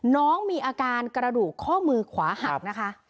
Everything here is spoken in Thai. น้องมีอาการกระดูกข้อมือขวาหักนะคะ